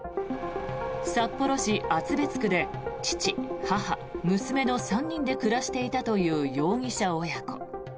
札幌市厚別区で父、母、娘の３人で暮らしていたという容疑者親子。